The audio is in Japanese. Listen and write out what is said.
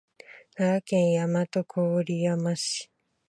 奈良県大和郡山市